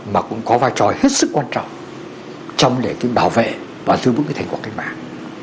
mà cũng có vai trò hết sức quan trọng trong lệnh bảo vệ và thư vững thành quả khách mạng